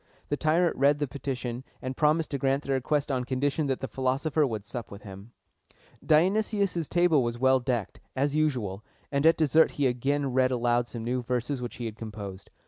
The tyrant read the petition, and promised to grant their request on condition that the philosopher would sup with him. Dionysius' table was well decked, as usual, and at dessert he again read aloud some new verses which he had composed.